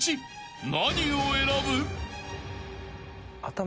［何を選ぶ？］